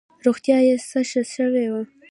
روغتیا یې څه ښه شوه.